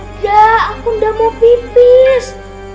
enggak aku udah mau pipis